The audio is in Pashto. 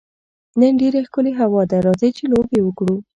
نن ډېره ښکلې هوا ده، راځئ چي لوبي وکړو.